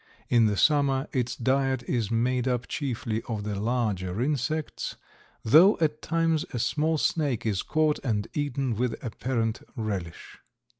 In the summer its diet is made up chiefly of the larger insects, though at times a small snake is caught and eaten with apparent relish.